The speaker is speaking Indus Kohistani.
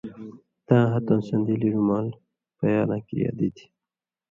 تاں ہتہۡؤں سن٘دیلیۡ رُمال پَیالاں کریا دِتیۡ